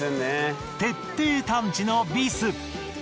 徹底探知のビス。